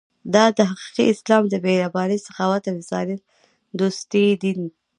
دا دی حقیقي اسلام د مهربانۍ، سخاوت او انسان دوستۍ دین.